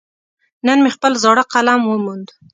نن مې خپل زاړه قلم وموند.